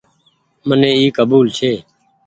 مني اي ڪبول ڇي ۔